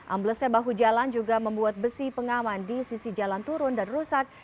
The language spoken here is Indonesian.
amblesnya bahu jalan juga membuat besi pengaman di sisi jalan turun dan rusak